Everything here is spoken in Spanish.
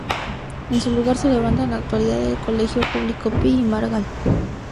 En su lugar se levanta en la actualidad el colegio público Pi y Margall.